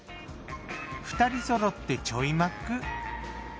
２人そろってちょいマック。